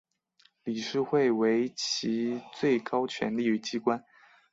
理事会为其最高权力机关。